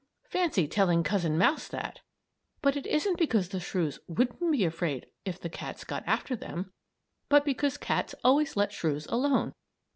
Fancy telling Cousin Mouse that! But it isn't because the shrews wouldn't be afraid if the cats got after them, but because cats always let shrews alone.